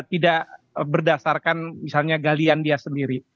tidak berdasarkan misalnya galian dia sendiri